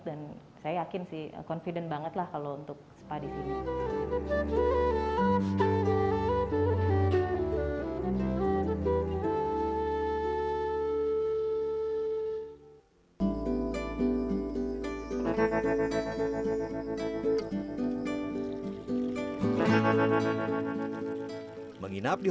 dan saya yakin sih confident banget lah kalau untuk spa di sini